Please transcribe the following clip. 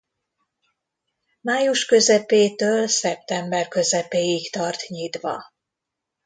Május közepétől szeptember közepéig tart nyitva.